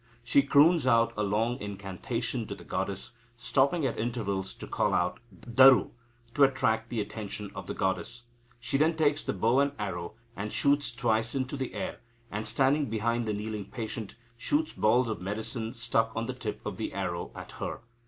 She croons out a long incantation to the goddess, stopping at intervals to call out "Daru," to attract the attention of the goddess. She then takes the bow and arrow, and shoots twice into the air, and, standing behind the kneeling patient, shoots balls of medicine stuck on the tip of the arrow at her.